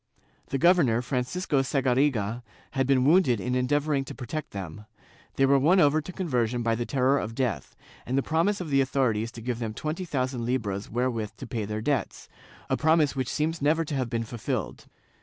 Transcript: The gover nor, Francisco Sagariga, had been wounded in endeavoring to protect them; they were won over to conversion by the terror of death, and the promise of the authorities to give them twenty thousand libras wherewith to pay their debts, — a promise which seems never to have been fulfilled.